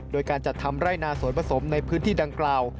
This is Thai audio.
โดยการจัดทำไร่นาสวนผสมในพื้นที่ดังกล่าว